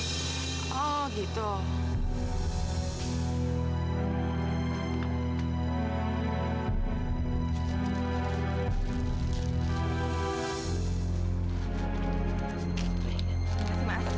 terima kasih maaf